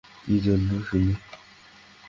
কী জন্য শুনি?